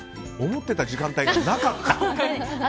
思ってた時間帯がなかった？